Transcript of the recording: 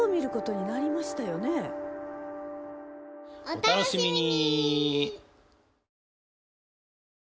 お楽しみに！